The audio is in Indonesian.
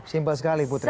simpel sekali putri